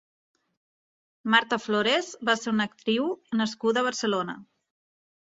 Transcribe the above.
Marta Flores va ser una actriu nascuda a Barcelona.